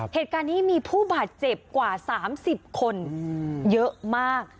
เหตุการณ์นี้มีผู้บาดเจ็บกว่า๓๐คนเยอะมาก